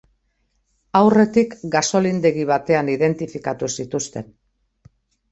Aurretik gasolindegi batean identifikatu zituzten.